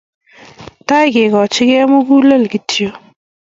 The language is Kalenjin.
Tai kekoch kei mugulel kityo